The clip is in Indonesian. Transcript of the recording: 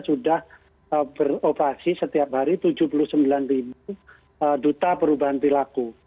sudah beroperasi setiap hari tujuh puluh sembilan ribu duta perubahan perilaku